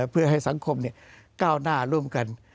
เพื่อให้สังคมก้าวหน้าร่วมกัน